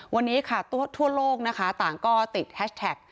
วันนี้ค่ะทั่วโลกนะคะต่างก็ติดแฮชแท็ก